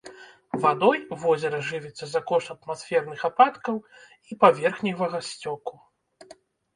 Вадой возера жывіцца за кошт атмасферных ападкаў і паверхневага сцёку.